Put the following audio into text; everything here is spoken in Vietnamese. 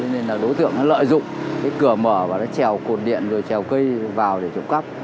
nên đối tượng lợi dụng cửa mở và chèo cột điện chèo cây vào để trộm cấp